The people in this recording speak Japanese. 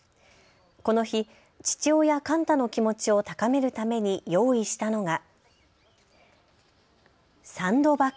この日、父親、カンタの気持ちを高めるために用意したのが。